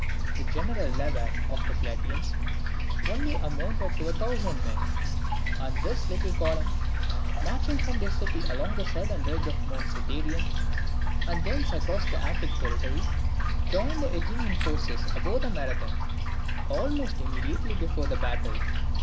The general levy of the Plataeans only amounted to a thousand men: and this little column, marching from their city along the southern ridge of Mount Cithaeron, and thence across the Attic territory, joined the Athenian forces above Marathon almost immediately before the battle.